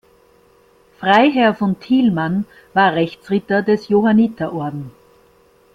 Freiherr von Thielmann war Rechtsritter des Johanniterorden.